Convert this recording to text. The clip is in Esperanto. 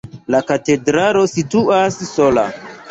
La katedralo situas sola.